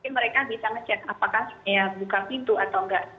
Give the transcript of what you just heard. mereka bisa ngecek apakah buka pintu atau enggak